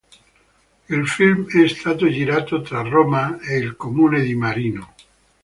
Il film è stato girato tra Roma e il comune di Marino.